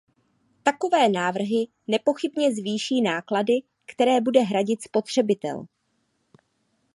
Takové návrhy nepochybně zvýší náklady, které bude hradit spotřebitel.